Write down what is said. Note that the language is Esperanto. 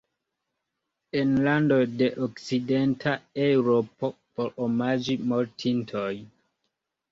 En landoj de Okcidenta Eŭropo por omaĝi mortintojn.